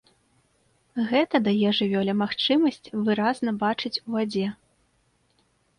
Гэта дае жывёле магчымасць выразна бачыць у вадзе.